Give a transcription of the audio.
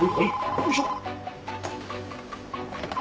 よいしょ。